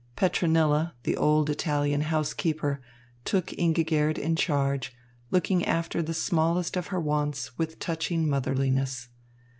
Petronilla, the old Italian housekeeper, took Ingigerd in charge, looking after the smallest of her wants with touching motherliness.